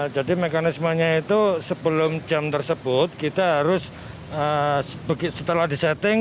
jadi mekanismenya itu sebelum jam tersebut kita harus setelah disetting